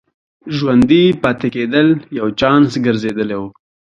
ژوندي پاتې کېدل یو چانس ګرځېدلی و.